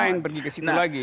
ngapain pergi ke situ lagi